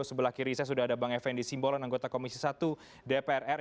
sebelah kiri saya sudah ada bang effendi simbolan anggota komisi satu dprr